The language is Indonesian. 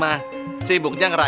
ah si aceng mah